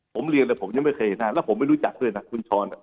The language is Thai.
ผมเรียนเลยผมยังไม่เคยเห็นหน้าแล้วผมไม่รู้จักด้วยนะคุณช้อน